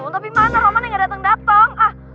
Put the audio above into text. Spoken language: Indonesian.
tapi mana roman yang gak dateng dateng